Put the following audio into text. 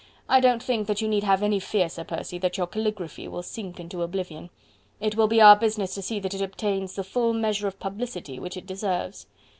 I don't think that you need have any fear, Sir Percy, that your caligraphy will sink into oblivion. It will be our business to see that it obtains the full measure of publicity which it deserves..."